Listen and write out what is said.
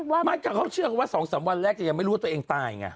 ไม่ก็เขาเชื่อกันว่า๒๓วันแรกจะยังไม่รู้ว่าตัวเองตายไง